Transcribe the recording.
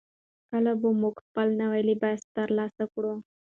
کله به موږ خپل نوی لباس ترلاسه کړو؟